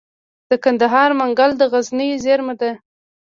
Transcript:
د کندهار منگل د غزنوي زیرمه ده